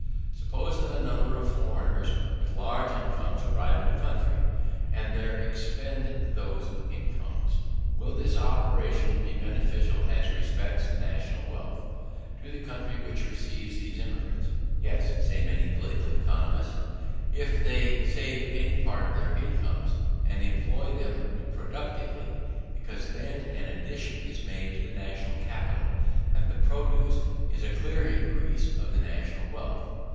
Suppose that a number of foreigners with large incomes arrive in a country, and there expend those incomes: will this operation be beneficial, as respects the national wealth, to the country which receives these immigrants? Yes, say many political economists, if they save any part of their incomes, and employ them reproductively; because then an addition is made to the national capital, and the produce is a clear increase of the national wealth.